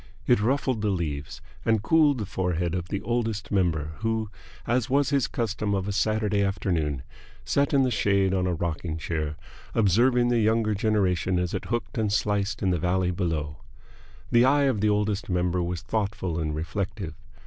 It ruffled the leaves and cooled the forehead of the Oldest Member, who, as was his custom of a Saturday afternoon, sat in the shade on a rocking chair, observing the younger generation as it hooked and sliced in the valley below. The eye of the Oldest Member was thoughtful and reflective.